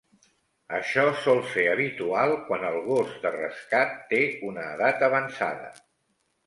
Això sol ser habitual quan el gos de rescat té una edat avançada.